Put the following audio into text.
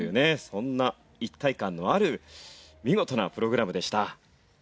そんな一体感のある見事なプログラムでした。